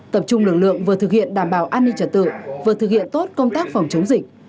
tập trung lực lượng vừa thực hiện đảm bảo an ninh trật tự vừa thực hiện tốt công tác phòng chống dịch